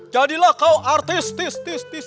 jadilah kau artis